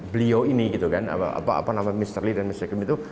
beliau ini gitu kan apa namanya mr lee dan mrin itu